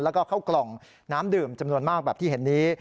แล้วก็เข้ากล่องน้ำดื่มจำนวนมากแบบที่เห็นนี้